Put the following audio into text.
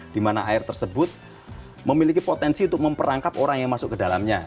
di mana air tersebut memiliki potensi untuk memperangkap orang yang masuk ke dalamnya